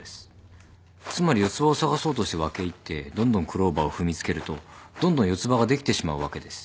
つまり四つ葉を探そうとして分け入ってどんどんクローバーを踏みつけるとどんどん四つ葉ができてしまうわけです。